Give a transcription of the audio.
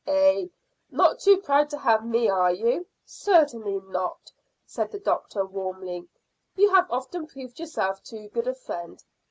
"Eh? Not too proud to have me, are you?" "Certainly not," said the doctor warmly. "You have often proved yourself too good a friend."